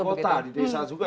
kota di desa juga